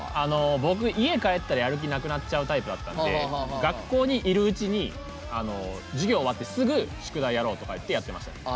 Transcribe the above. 僕、家に帰ったらやる気なくなっちゃうタイプなんで学校にいるうちに授業終わって、すぐ宿題やろうってやっていました。